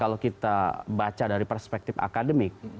kalau kita baca dari perspektif akademik